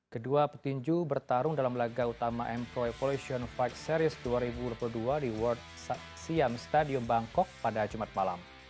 kedua petinju bertarung dalam laga utama empro evolution lima series dua ribu dua puluh dua di world siam stadium bangkok pada jumat malam